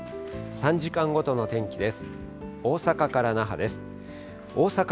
３時間ごとの天気です。